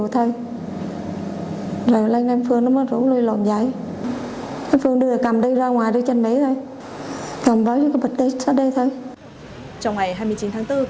trong ngày hai mươi chín tháng bốn